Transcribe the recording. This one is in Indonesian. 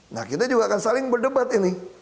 nah kita juga akan saling berdebat ini